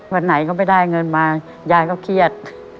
วันไหนก็ไม่ได้เงินมายายก็เครียด